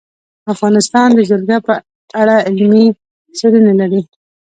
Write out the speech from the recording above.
افغانستان د جلګه په اړه علمي څېړنې لري.